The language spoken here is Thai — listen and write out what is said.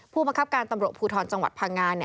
ผู้บังคับการตำรวจภูทรจังหวัดพังงา